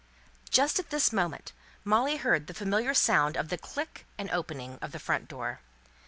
Just at this moment, Molly heard the familiar sound of the click and opening of the front door.